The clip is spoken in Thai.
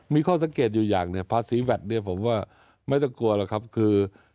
มีข้อสังเกตอยู่อย่างเนี่ยภาษีแวดเนี่ยผมว่าไม่ต้องกลัวหรอกครับคือ